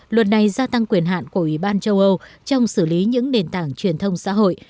luật này gia tăng quyền hạn của ủy ban châu âu trong xử lý những nền tảng truyền thông xã hội